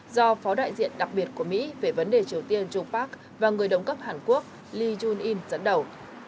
do phó đại diện đặc biệt của mỹ về vấn đề triều tiên joo park và người đồng cấp hàn quốc lee jun in dẫn đầu